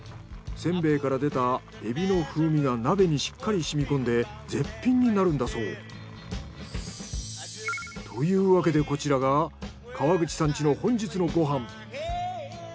せんべいから出たえびの風味が鍋にしっかりしみ込んで絶品になるんだそう。というわけでこちらが川口さん家の本日のご飯。